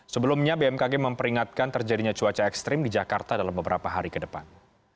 sebelumnya bmkg memperingatkan terjadinya cuaca ekstrim di jakarta dalam beberapa hari ke depan